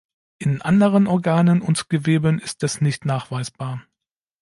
In anderen Organen und Geweben ist es nicht nachweisbar.